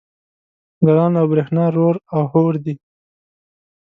ځلاند او برېښنا رور او حور دي